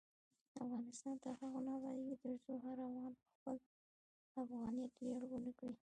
افغانستان تر هغو نه ابادیږي، ترڅو هر افغان په خپل افغانیت ویاړ ونه کړي.